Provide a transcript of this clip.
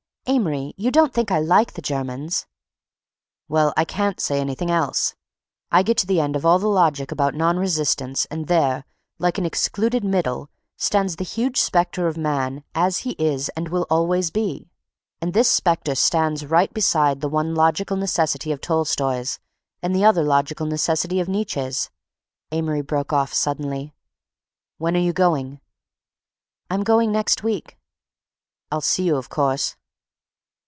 Amory—you don't think I like the Germans!" "Well, I can't say anything else—I get to the end of all the logic about non resistance, and there, like an excluded middle, stands the huge spectre of man as he is and always will be. And this spectre stands right beside the one logical necessity of Tolstoi's, and the other logical necessity of Nietzsche's—" Amory broke off suddenly. "When are you going?" "I'm going next week." "I'll see you, of course."